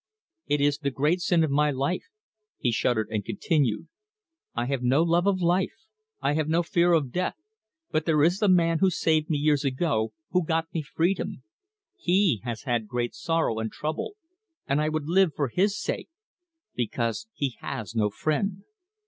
"It is the great sin of my life." He shuddered, and continued: "I have no love of life; I have no fear of death; but there is the man who saved me years ago, who got me freedom. He has had great sorrow and trouble, and I would live for his sake because he has no friend."